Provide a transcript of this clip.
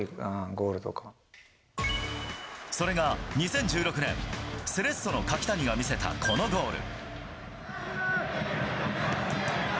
それが２０１６年、セレッソの柿谷が見せた、このゴール。